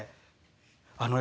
あのね